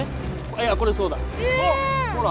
いやこれそうだ。え！ほら。